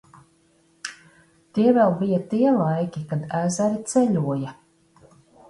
Tie vēl bija tie laiki, kad ezeri ceļoja.